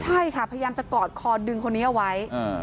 ใช่ค่ะพยาบจะกรอดคอดึงคนนี้ไว้